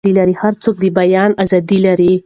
هر څوک د بیان ازادي لري.